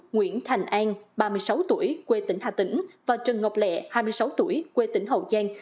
nguyễn thành an ba mươi sáu tuổi quê tỉnh hà tĩnh và trần ngọc lẹ hai mươi sáu tuổi quê tỉnh hậu giang